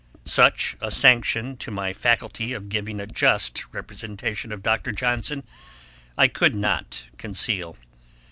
Such a sanction to my faculty of giving a just representation of Dr. Johnson I could not conceal.